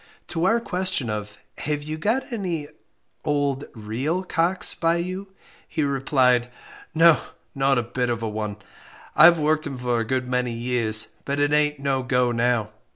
To our question of "Have you got any old real 'cocks' by you?" he replied, "No, not a bit of a one; I've worked 'em for a good many years, but it ain't no go now.